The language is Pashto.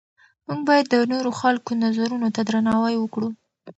موږ باید د نورو خلکو نظرونو ته درناوی وکړو.